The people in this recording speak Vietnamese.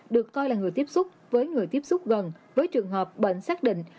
được coi là người tiếp xúc với người tiếp xúc gần với trường hợp bệnh xác định